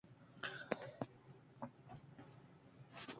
Intrigado acude a la cita y Mizuho se encuentra allí esperándolo.